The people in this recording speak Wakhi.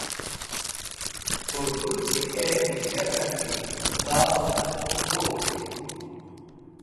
Urdu zikẽ hija k̃haki zavẽr zũr vitk.